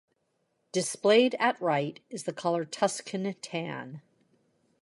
Displayed at right is the color Tuscan tan.